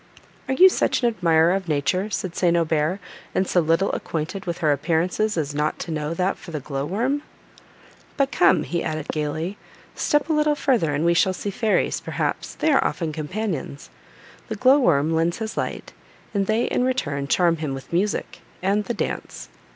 "Are you such an admirer of nature," said St. Aubert, "and so little acquainted with her appearances as not to know that for the glow worm? But come," added he gaily, "step a little further, and we shall see fairies, perhaps; they are often companions. The glow worm lends his light, and they in return charm him with music, and the dance.